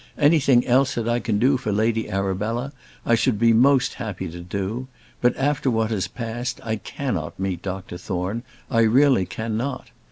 Anything else that I could do for Lady Arabella, I should be most happy to do; but after what has passed, I cannot meet Doctor Thorne; I really cannot.